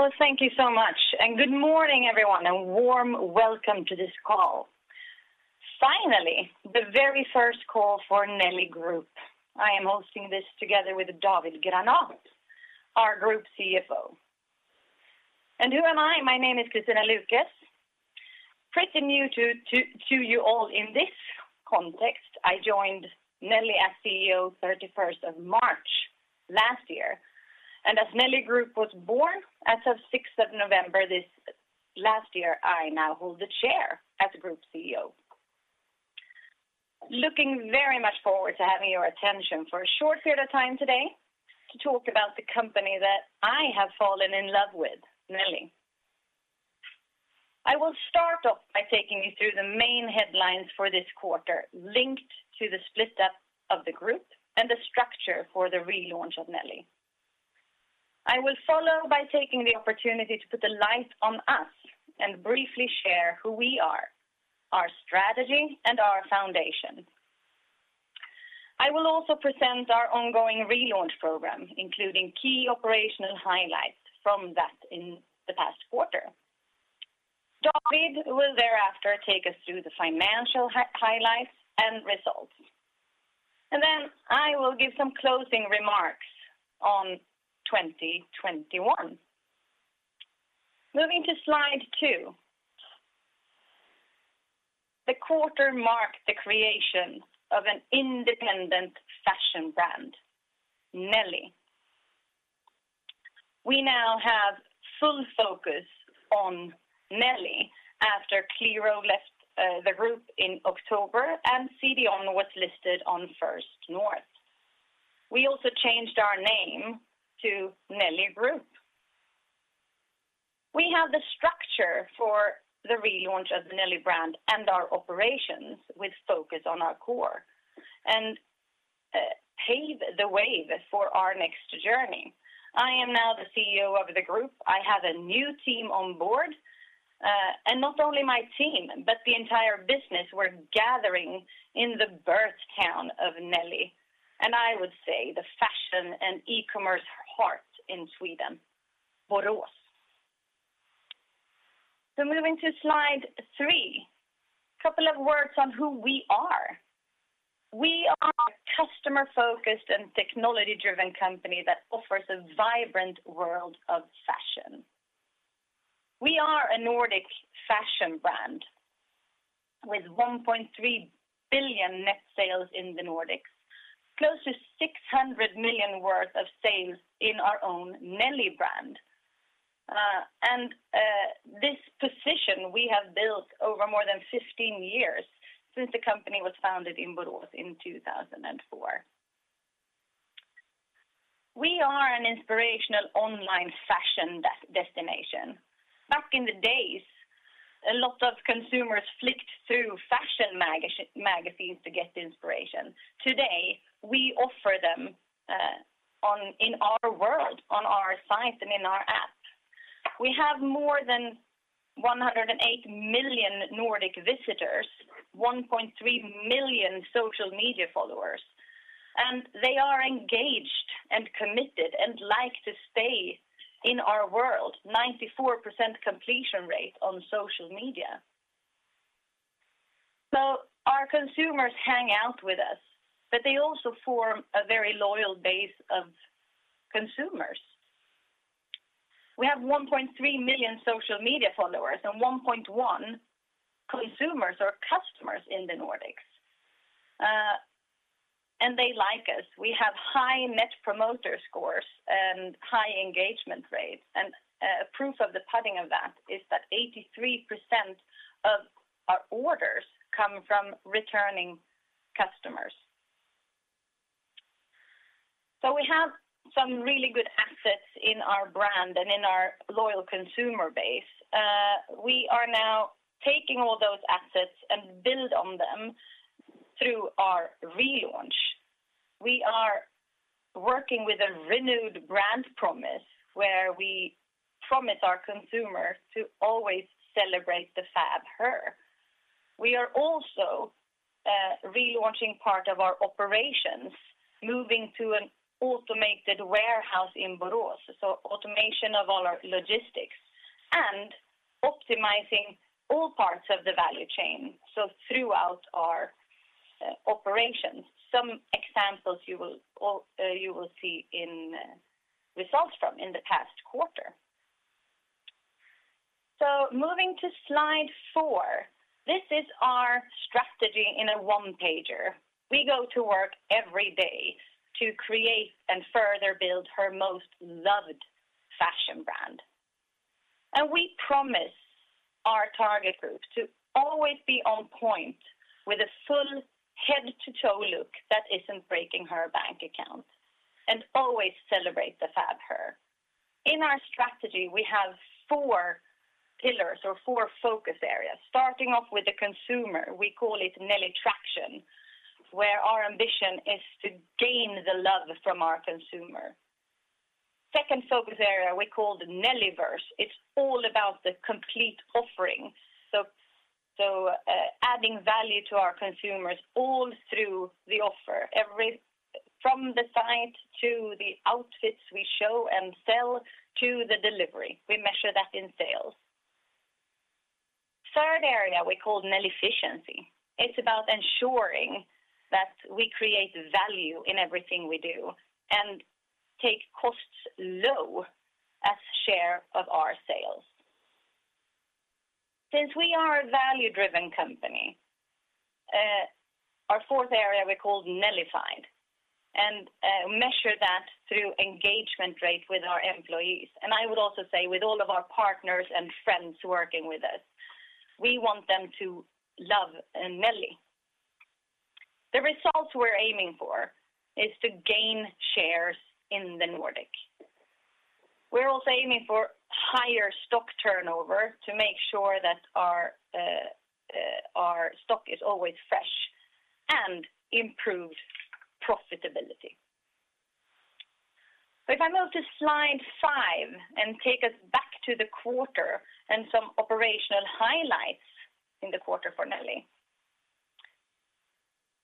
Well, thank you so much, and good morning, everyone. A warm welcome to this call. Finally, the very first call for Nelly Group. I am hosting this together with David Granath, our Group CFO. Who am I? My name is Kristina Lukes. Pretty new to you all in this context. I joined Nelly as CEO, 31st of March last year. As Nelly Group was born as of 6th of November last year, I now hold the chair as Group CEO. Looking very much forward to having your attention for a short period of time today to talk about the company that I have fallen in love with, Nelly. I will start off by taking you through the main headlines for this quarter, linked to the split up of the group and the structure for the relaunch of Nelly. I will follow by taking the opportunity to put the light on us and briefly share who we are, our strategy, and our foundation. I will also present our ongoing relaunch program, including key operational highlights from that in the past quarter. David will thereafter take us through the financial highlights and results. I will give some closing remarks on 2021. Moving to slide two. The quarter marked the creation of an independent fashion brand, Nelly. We now have full focus on Nelly after Qliro left the group in October and CDON was listed on First North. We also changed our name to Nelly Group. We have the structure for the relaunch of Nelly brand and our operations with focus on our core and pave the way for our next journey. I am now the CEO of the group. I have a new team on board. Not only my team, but the entire business, we're gathering in the birth town of Nelly, and I would say the fashion and e-commerce heart in Sweden, Borås. Moving to slide three, a couple of words on who we are. We are a customer-focused and technology-driven company that offers a vibrant world of fashion. We are a Nordic fashion brand with 1.3 billion net sales in the Nordics, close to 600 million worth of sales in our own Nelly brand. This position we have built over more than 15 years since the company was founded in Borås in 2004. We are an inspirational online fashion destination. Back in the days, a lot of consumers flicked through fashion magazines to get inspiration. Today, we offer them in our world, on our site, and in our app. We have more than 108 million Nordic visitors, 1.3 million social media followers, and they are engaged and committed and like to stay in our world, 94% completion rate on social media. Our consumers hang out with us, but they also form a very loyal base of consumers. We have 1.3 million social media followers and 1.1 consumers or customers in the Nordics. They like us. We have high Net Promoter Scores and high engagement rates. Proof of the pudding of that is that 83% of our orders come from returning customers. We have some really good assets in our brand and in our loyal consumer base. We are now taking all those assets and build on them through our relaunch. We are working with a renewed brand promise where we promise our consumer to always celebrate the fab her. We are also relaunching part of our operations, moving to an automated warehouse in Borås, so automation of all our logistics and optimizing all parts of the value chain, so throughout our operations. Some examples you will see in results from in the past quarter. Moving to slide four, this is our strategy in a one-pager. We go to work every day to create and further build her most loved fashion brand. We promise our target group to always be on point with a full head-to-toe look that isn't breaking her bank account and always celebrate the fab her. In our strategy, we have four pillars or four focus areas. Starting off with the consumer, we call it Nellytraction, where our ambition is to gain the love from our consumer. Second focus area, we call the Nellyverse. It's all about the complete offering adding value to our consumers all through the offer. From the site to the outfits we show and sell, to the delivery. We measure that in sales. Third area, we call Nellyfficiency. It's about ensuring that we create value in everything we do and take costs low as share of our sales. Since we are a value-driven company, our fourth area, we call Nellyfied, and measure that through engagement rate with our employees. I would also say with all of our partners and friends working with us. We want them to love Nelly. The results we're aiming for is to gain shares in the Nordic. We're also aiming for higher stock turnover to make sure that our stock is always fresh and improve profitability. If I move to slide five and take us back to the quarter and some operational highlights in the quarter for Nelly.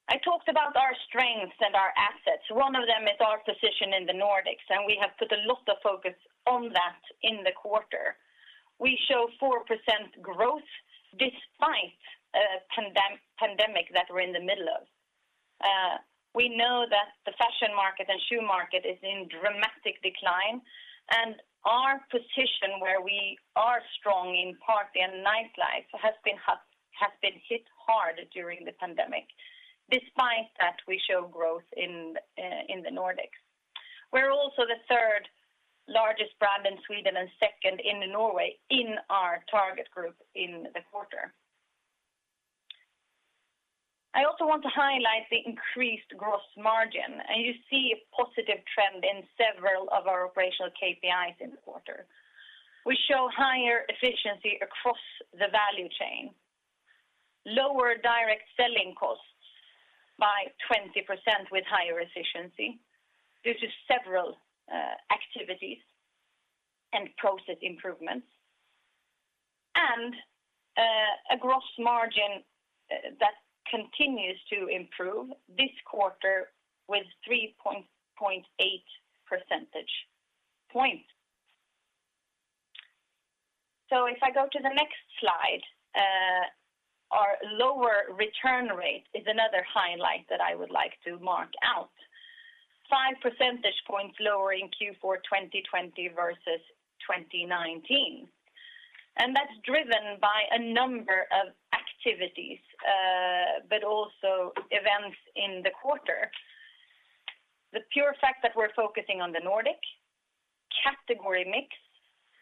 I talked about our strengths and our assets. One of them is our position in the Nordics. We have put a lot of focus on that in the quarter. We show 4% growth despite a pandemic that we're in the middle of. We know that the fashion market and shoe market is in dramatic decline. Our position where we are strong in party and nightlife has been hit hard during the pandemic. Despite that, we show growth in the Nordics. We're also the third largest brand in Sweden and second in Norway in our target group in the quarter. I also want to highlight the increased gross margin. You see a positive trend in several of our operational KPIs in the quarter. We show higher efficiency across the value chain, lower direct selling costs by 20% with higher efficiency due to several activities and process improvements, and a gross margin that continues to improve this quarter with 3.8 percentage points. If I go to the next slide, our lower return rate is another highlight that I would like to mark out. Five percentage points lower in Q4 2020 versus 2019. That's driven by a number of activities, but also events in the quarter. The pure fact that we're focusing on the Nordic, category mix,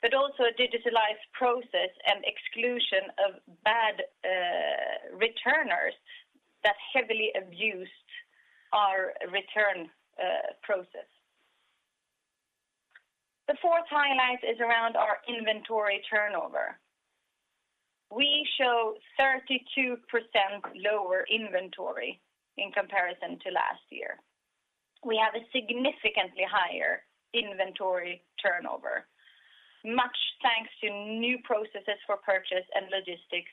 but also a digitalized process and exclusion of bad returners that heavily abused our return process. The fourth highlight is around our inventory turnover. We show 32% lower inventory in comparison to last year. We have a significantly higher inventory turnover, much thanks to new processes for purchase and logistics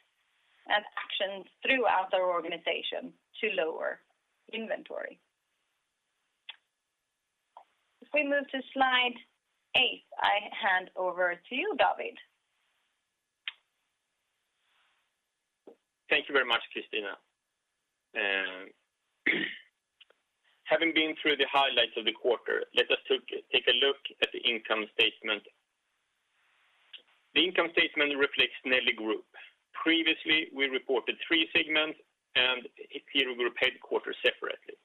and actions throughout our organization to lower inventory. If we move to slide eight, I hand over to you, David. Thank you very much, Kristina. Having been through the highlights of the quarter, let us take a look at the income statement. The income statement reflects Nelly Group. Previously, we reported three segments and group headquarters separately.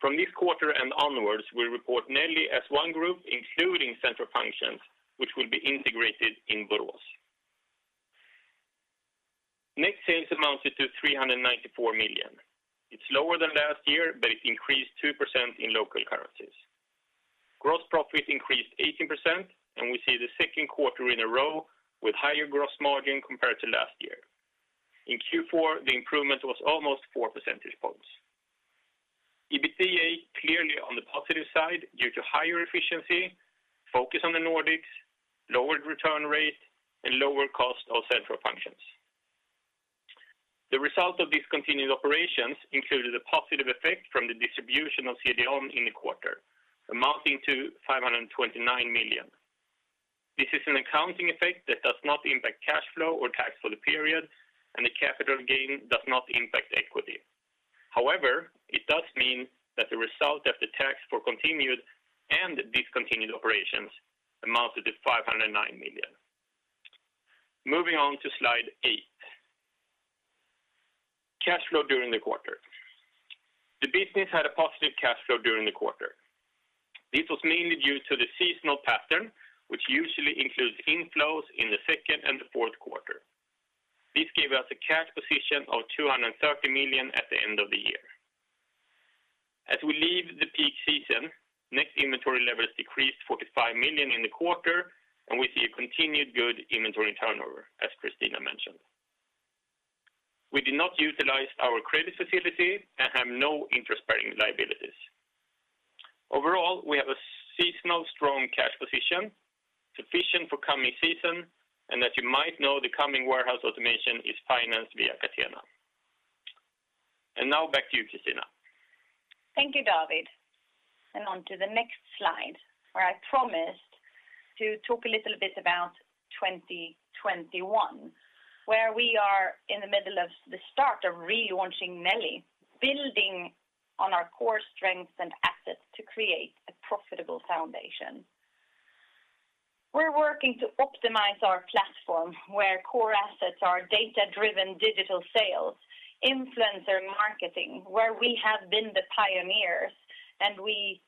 From this quarter and onwards, we report Nelly as one group, including central functions, which will be integrated in Borås. Net sales amounted to 394 million. It's lower than last year, but it increased 2% in local currencies. Gross profit increased 18%, and we see the second quarter in a row with higher gross margin compared to last year. In Q4, the improvement was almost four percentage points. EBITDA, clearly on the positive side due to higher efficiency, focus on the Nordics, lower return rate, and lower cost of central functions. The result of these continued operations included a positive effect from the distribution of CDON in the quarter, amounting to 529 million. This is an accounting effect that does not impact cash flow or tax for the period, and the capital gain does not impact equity. However, it does mean that the result of the tax for continued and discontinued operations amounted to 509 million. Moving on to slide eight. Cash flow during the quarter. The business had a positive cash flow during the quarter. This was mainly due to the seasonal pattern, which usually includes inflows in the second and the fourth quarter. This gave us a cash position of 230 million at the end of the year. As we leave the peak season, net inventory levels decreased 45 million in the quarter, and we see a continued good inventory turnover, as Kristina mentioned. We did not utilize our credit facility and have no interest-bearing liabilities. Overall, we have a seasonal strong cash position, sufficient for coming season, and as you might know, the coming warehouse automation is financed via Catena. Now back to you, Kristina. Thank you, David. On to the next slide, where I promised to talk a little bit about 2021, where we are in the middle of the start of relaunching Nelly, building on our core strengths and assets to create a profitable foundation. We're working to optimize our platform, where core assets are data-driven digital sales, influencer marketing, where we have been the pioneers, and we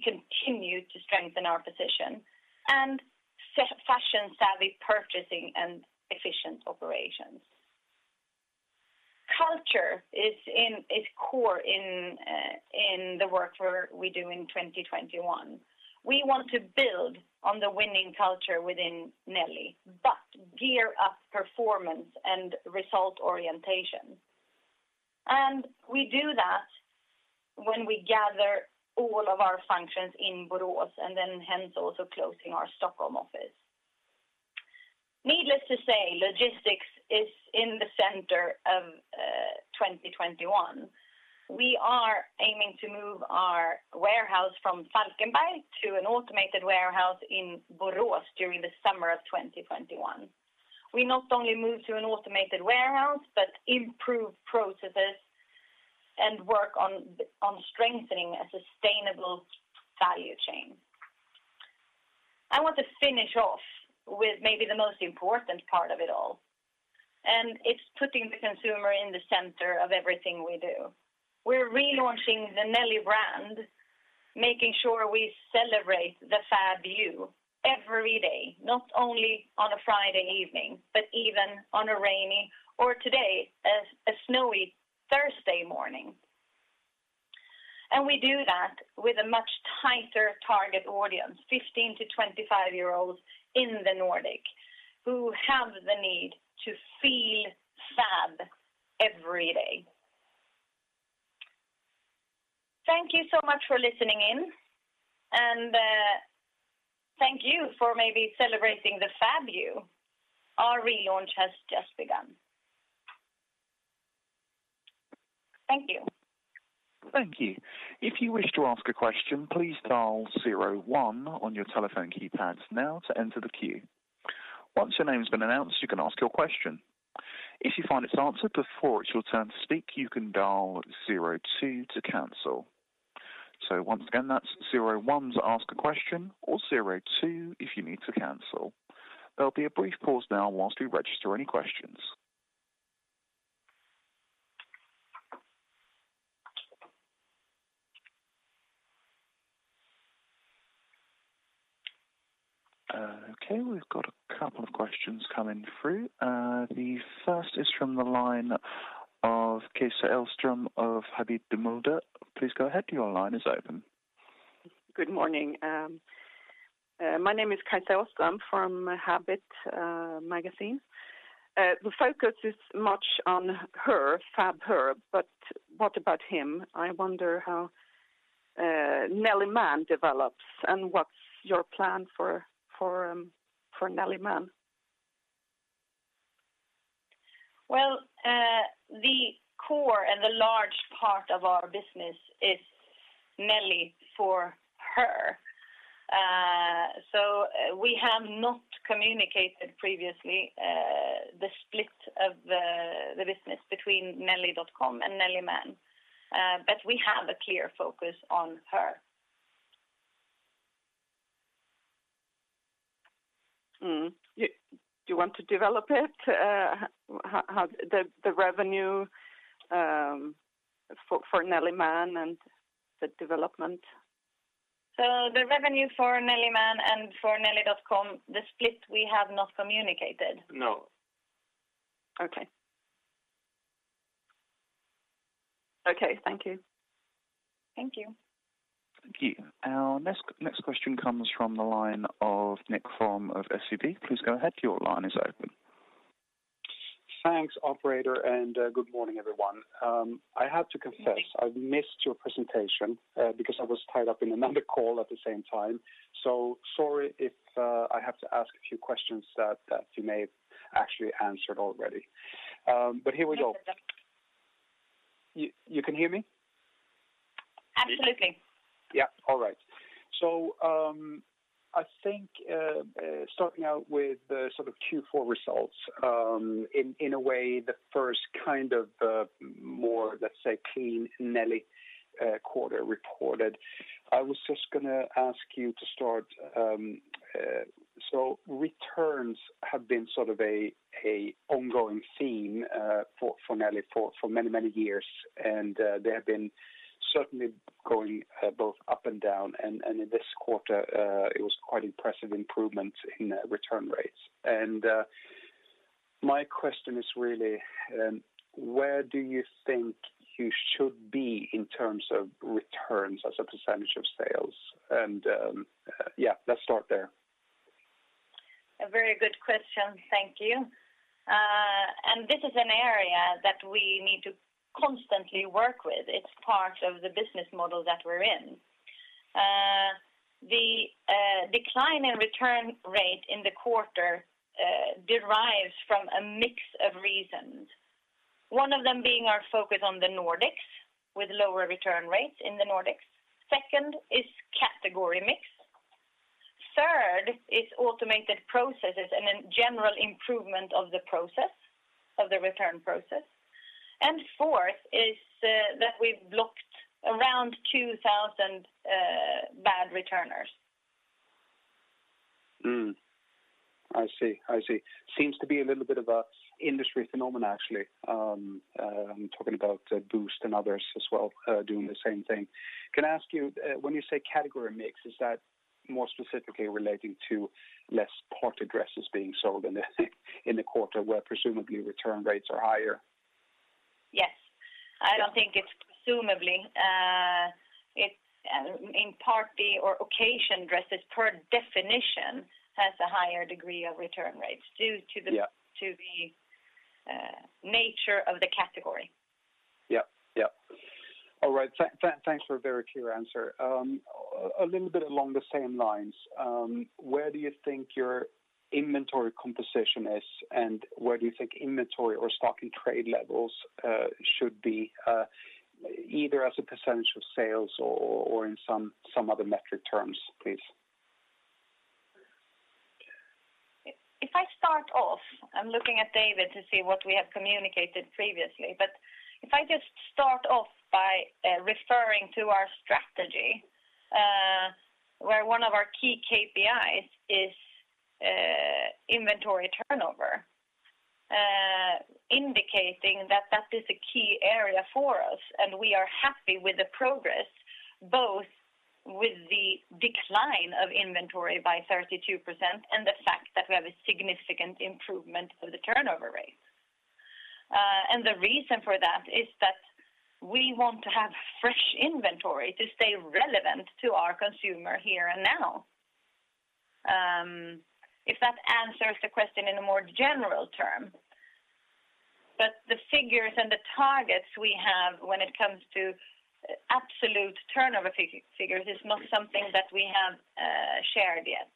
continue to strengthen our position, and fashion-savvy purchasing and efficient operations. Culture is core in the work we do in 2021. We want to build on the winning culture within Nelly, but gear up performance and result orientation. We do that when we gather all of our functions in Borås, and then hence also closing our Stockholm office. Needless to say, logistics is in the center of 2021. We are aiming to move our warehouse from Falkenberg to an automated warehouse in Borås during the summer of 2021. We not only move to an automated warehouse, but improve processes and work on strengthening a sustainable value chain. I want to finish off with maybe the most important part of it all. It's putting the consumer in the center of everything we do. We're relaunching the Nelly brand, making sure we celebrate the fab you every day, not only on a Friday evening, but even on a rainy, or today, a snowy Thursday morning. We do that with a much tighter target audience, 15-25 year-olds in the Nordic, who have the need to feel fab every day. Thank you so much for listening in. Thank you for maybe celebrating the fab you. Our relaunch has just begun. Thank you. Thank you. If you wish to ask a question please dial zero one on your telephone keypad now to enter the queue. Once your names been announced, you can ask your question. If you find its answer before your turn to speak, you can dial zero two to cancel . So once again asked zero one to ask a question or zero two if you need to cancel. There will be a brief pause now was to register any questions. We got couple of question coming through. The first is from the line of Kajsa Åström of Habit. Please go ahead, your line is open. Good morning. My name is Kajsa Åström from Habit magazine. The focus is much on her, for her, but what about him? I wonder how NLY Man develops, and what's your plan for NLY Man? The core and the large part of our business is Nelly for her. We have not communicated previously the split of the business between Nelly.com and NLY Man, but we have a clear focus on her. Do you want to develop it, the revenue for NLY Man and the development? The revenue for NLY Man and for Nelly.com, the split we have not communicated. No. Okay. Okay. Thank you. Thank you. Thank you. Our next question comes from the line of Nicklas Fhärm of SEB. Please go ahead, your line is open. Thanks, operator, and good morning, everyone. I have to confess, I've missed your presentation, because I was tied up in another call at the same time. Sorry if I have to ask a few questions that you may have actually answered already. Here we go. No problem. You can hear me? Absolutely. Yeah. All right. I think, starting out with the sort of Q4 results, in a way, the first kind of more, let's say, clean Nelly quarter reported. I was just going to ask you to start. Returns have been sort of an ongoing theme for Nelly for many, many years, and they have been certainly going both up and down. In this quarter, it was quite impressive improvement in return rates. My question is really, where do you think you should be in terms of returns as a percent of sales? Yeah, let's start there. A very good question. Thank you. This is an area that we need to constantly work with. It's part of the business model that we're in. The decline in return rate in the quarter derives from a mix of reasons. One of them being our focus on the Nordics, with lower return rates in the Nordics. Second is category mix. Third is automated processes and then general improvement of the return process. Fourth is that we've blocked around 2,000 bad returners. I see. Seems to be a little bit of an industry phenomenon, actually. I'm talking about Boozt and others as well doing the same thing. Can I ask you, when you say category mix, is that more specifically relating to less party dresses being sold in the quarter, where presumably return rates are higher? Yes. I don't think it's presumably. Party or occasion dresses, per definition, has a higher degree of return rates due to the-. Yeah. Nature of the category. Yeah. All right. Thanks for a very clear answer. A little bit along the same lines, where do you think your inventory composition is, and where do you think inventory or stock in trade levels should be, either as a percent of sales or in some other metric terms, please? If I start off, I'm looking at David to see what we have communicated previously. If I just start off by referring to our strategy, where one of our key KPIs is inventory turnover, indicating that that is a key area for us, and we are happy with the progress, both with the decline of inventory by 32% and the fact that we have a significant improvement of the turnover rate. The reason for that is that we want to have fresh inventory to stay relevant to our consumer here and now. If that answers the question in a more general term. The figures and the targets we have when it comes to absolute turnover figures is not something that we have shared yet.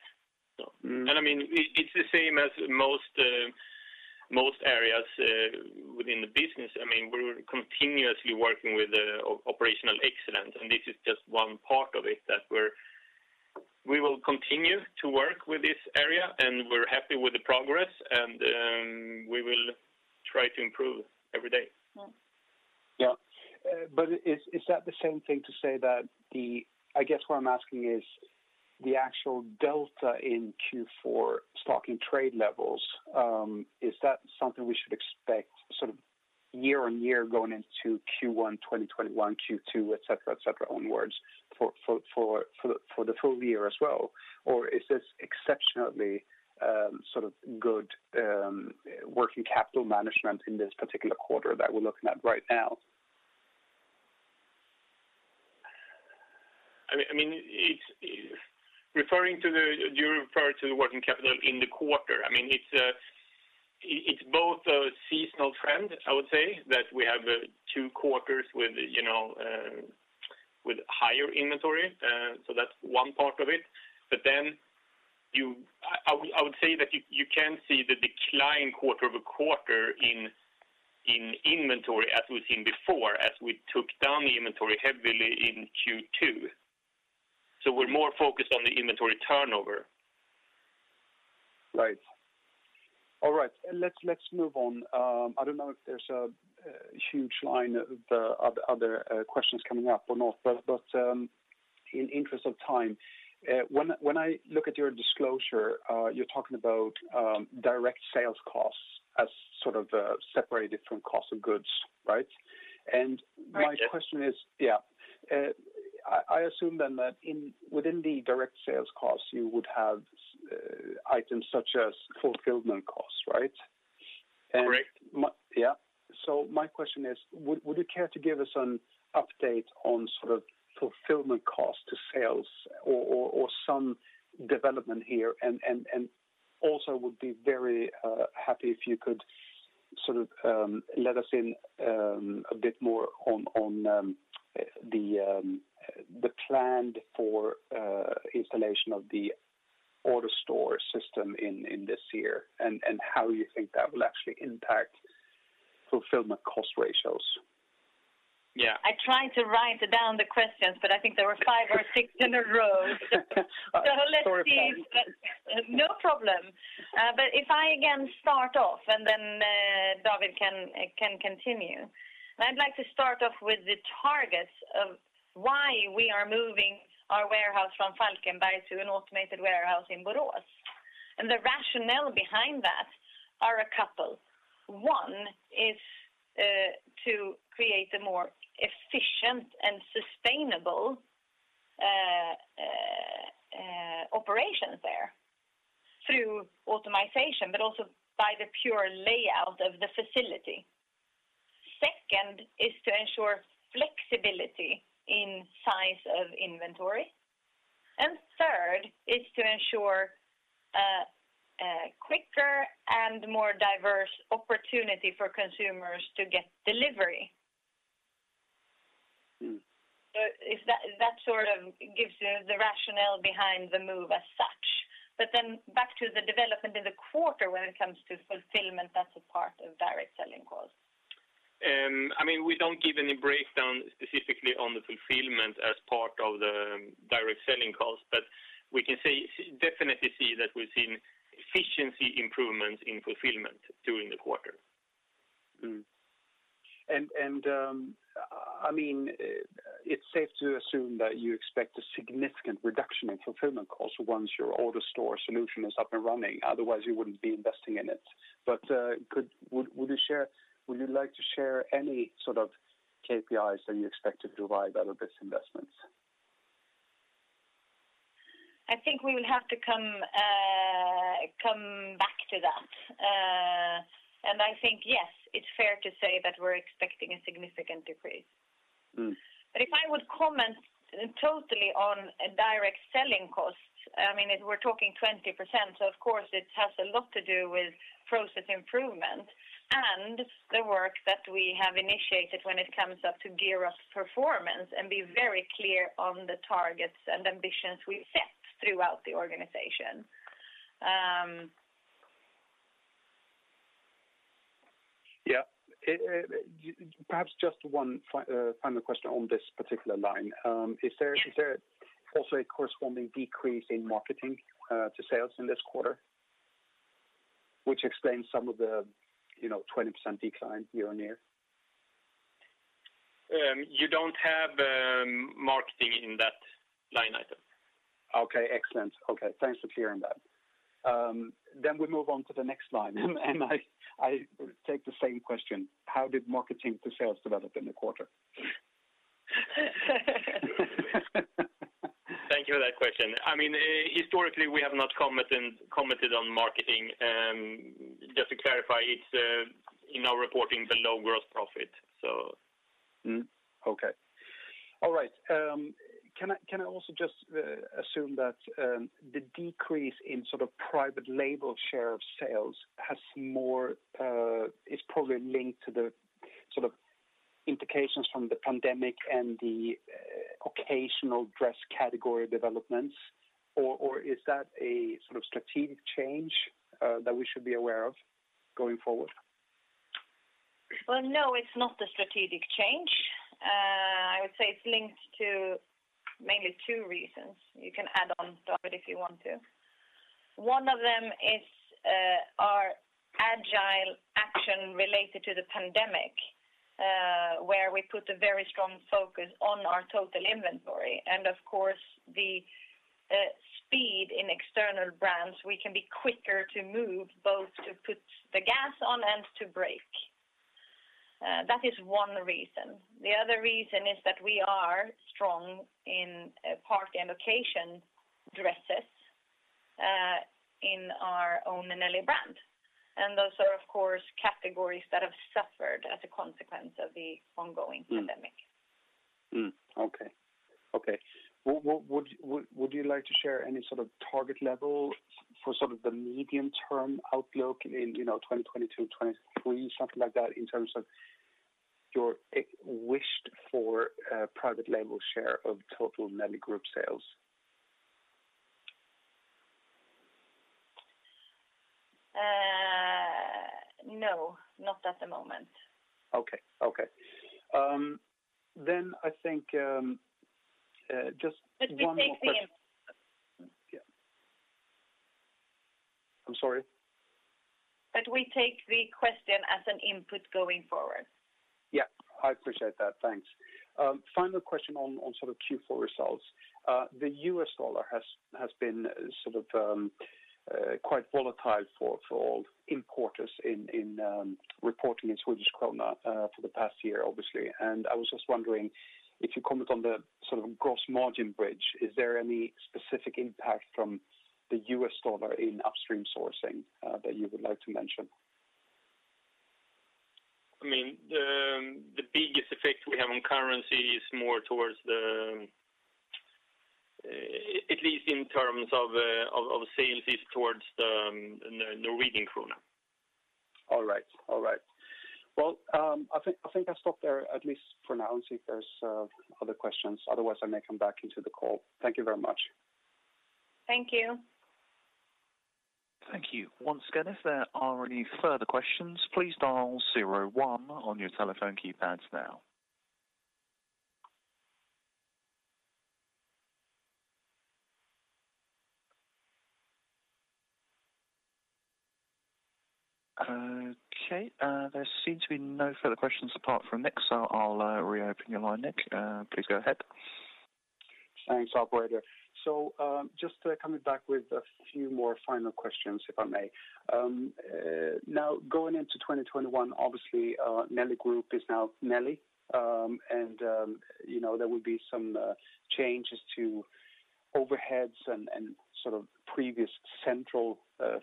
No. It's the same as most areas within the business. We're continuously working with operational excellence, and this is just one part of it. We will continue to work with this area, and we're happy with the progress, and we will try to improve every day. Yes. Yeah. I guess what I'm asking is, the actual delta in Q4 stock and trade levels, is that something we should expect year-on-year going into Q1 2021, Q2, et cetera, onwards for the full year as well? Is this exceptionally good working capital management in this particular quarter that we're looking at right now? You're referring to the working capital in the quarter. It's both a seasonal trend, I would say, that we have two quarters with higher inventory. That's one part of it. I would say that you can see the decline quarter-over-quarter in inventory as we've seen before, as we took down the inventory heavily in Q2. We're more focused on the inventory turnover. Right. All right. Let's move on. I don't know if there's a huge line of other questions coming up or not. In interest of time, when I look at your disclosure, you're talking about direct sales costs as separated from cost of goods, right? Right. Yes. My question is, I assume then that within the direct sales costs, you would have items such as fulfillment costs, right? Correct. Yeah. My question is, would you care to give us an update on fulfillment cost to sales or some development here? Also would be very happy if you could let us in a bit more on the plan for installation of the AutoStore system in this year, and how you think that will actually impact fulfillment cost ratios. Yeah. I tried to write down the questions, but I think there were five or six in a row. Sorry about that. No problem. If I, again, start off, and then David can continue. I'd like to start off with the targets of why we are moving our warehouse from Falkenberg to an automated warehouse in Boras. The rationale behind that are a couple. One is to create a more efficient and sustainable operations there through automation, but also by the pure layout of the facility. Second is to ensure flexibility in size of inventory. Third is to ensure a quicker and more diverse opportunity for consumers to get delivery. That sort of gives you the rationale behind the move as such. Back to the development in the quarter when it comes to fulfillment, that's a part of direct selling cost. We don't give any breakdown specifically on the fulfillment as part of the direct selling cost, but we can definitely see that we've seen efficiency improvements in fulfillment during the quarter. It's safe to assume that you expect a significant reduction in fulfillment costs once your AutoStore solution is up and running, otherwise you wouldn't be investing in it. Would you like to share any sort of KPIs that you expect to derive out of this investment? I think we will have to come back to that. I think, yes, it's fair to say that we're expecting a significant decrease. If I would comment totally on direct selling costs, we are talking 20%. Of course it has a lot to do with process improvement and the work that we have initiated when it comes up to gear up performance and be very clear on the targets and ambitions we set throughout the organization. Yeah. Perhaps just one final question on this particular line. Is there also a corresponding decrease in marketing to sales in this quarter, which explains some of the 20% decline year-on-year? You don't have marketing in that line item. Okay, excellent. Okay, thanks for clearing that. We move on to the next line, and I take the same question: how did marketing to sales develop in the quarter? Thank you for that question. Historically, we have not commented on marketing. Just to clarify, it's in our reporting below gross profit. Okay. All right. Can I also just assume that the decrease in private label share of sales is probably linked to the sort of implications from the pandemic and the occasional dress category developments, or is that a strategic change that we should be aware of going forward? Well, no, it's not a strategic change. I would say it's linked to mainly two reasons. You can add on, David, if you want to. One of them is our agile action related to the pandemic, where we put a very strong focus on our total inventory, and of course, the speed in external brands. We can be quicker to move, both to put the gas on and to brake. That is one reason. The other reason is that we are strong in party and occasion dresses in our own Nelly brand, and those are, of course, categories that have suffered as a consequence of the ongoing pandemic. Okay. Would you like to share any sort of target level for the medium-term outlook in 2022, 2023, something like that, in terms of your wished-for private label share of total Nelly Group sales? No, not at the moment. Okay. I think, just one more question. But we take the in-. Yeah. I'm sorry? We take the question as an input going forward. Yeah, I appreciate that, thanks. Final question on Q4 results. The US dollar has been quite volatile for all in quarters in reporting in Swedish krona for the past year, obviously. I was just wondering if you comment on the gross margin bridge. Is there any specific impact from the US dollar in upstream sourcing that you would like to mention? The biggest effect we have on currency, at least in terms of sales, is towards the Norwegian krone. All right. Well, I think I'll stop there, at least for now, and see if there's other questions. Otherwise, I may come back into the call. Thank you very much. Thank you. Thank you. Once again, if there are any further questions, please dial zero one on your telephone keypads now. Okay, there seem to be no further questions apart from Nicklas. I'll reopen your line, Nicklas. Please go ahead. Thanks, operator. Just coming back with a few more final questions, if I may. Now going into 2021, obviously, Nelly Group is now Nelly, and there will be some changes to overheads and previous central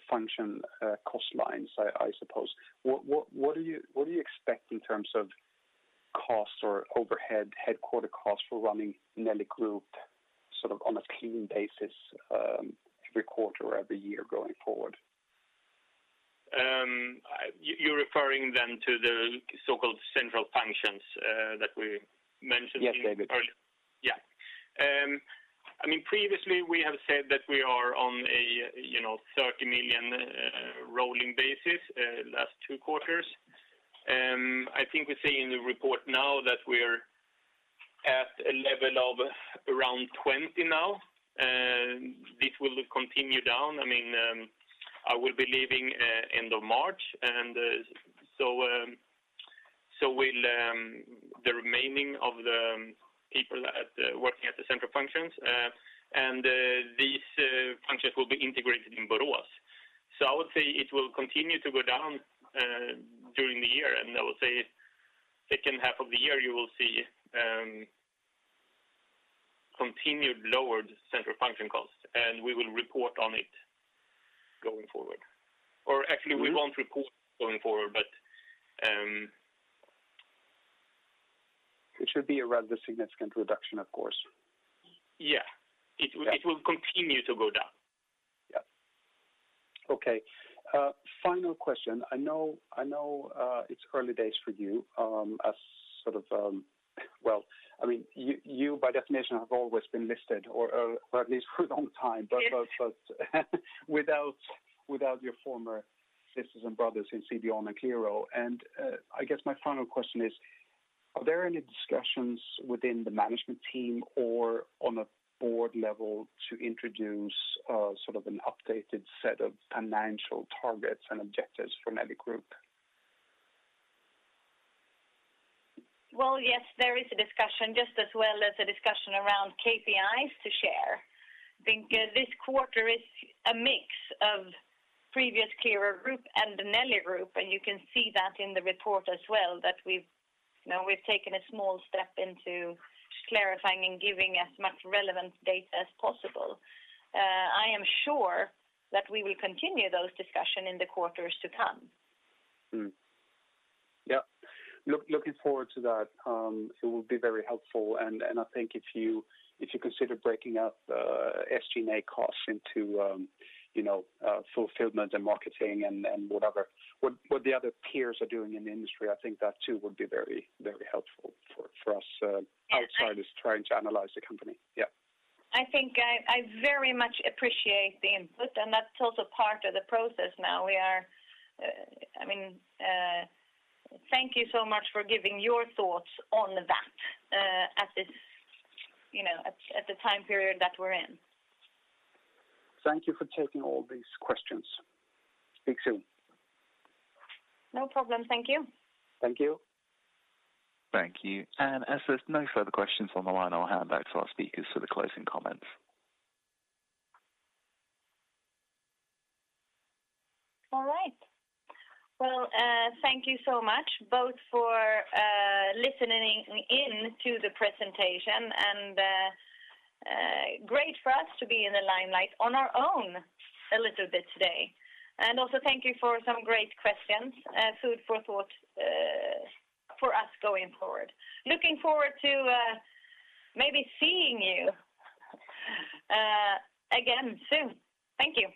function cost lines, I suppose. What do you expect in terms of costs or overhead headquarter costs for running Nelly Group on a clean basis every quarter, every year going forward? You're referring then to the so-called central functions that we mentioned earlier? Yes, David. Yeah. Previously we have said that we are on a 30 million rolling basis last two quarters. I think we say in the report now that we're at a level of around 20 now. This will continue down. I will be leaving end of March and so will the remaining of the people working at the central functions. These functions will be integrated in Borås. I would say it will continue to go down during the year, and I would say second half of the year, you will see continued lowered central function costs, and we will report on it going forward. Actually, we won't report going forward. It should be a rather significant reduction, of course. Yeah. It will continue to go down. Yeah. Okay. Final question. I know it's early days for you as you by definition have always been listed or at least for a long time, but without your former sisters and brothers in CDON and Qliro. I guess my final question is, are there any discussions within the management team or on a board level to introduce an updated set of financial targets and objectives for Nelly Group? Well, yes, there is a discussion just as well as a discussion around KPIs to share. I think this quarter is a mix of previous Qliro Group and the Nelly Group, and you can see that in the report as well that we've taken a small step into clarifying and giving as much relevant data as possible. I am sure that we will continue those discussion in the quarters to come. Yeah. Looking forward to that. It will be very helpful, I think if you consider breaking up SG&A costs into fulfillment and marketing and whatever, what the other peers are doing in the industry, I think that too would be very helpful for us outsiders trying to analyze the company. Yeah. I very much appreciate the input. That's also part of the process now. Thank you so much for giving your thoughts on that at the time period that we're in. Thank you for taking all these questions. Speak soon. No problem. Thank you. Thank you. Thank you. As there's no further questions on the line, I'll hand back to our speakers for the closing comments. All right. Well, thank you so much both for listening in to the presentation and great for us to be in the limelight on our own a little bit today. Also thank you for some great questions, food for thought for us going forward. Looking forward to maybe seeing you again soon. Thank you.